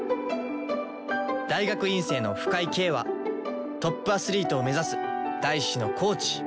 大学院生の深井京はトップアスリートを目指す大志のコーチ。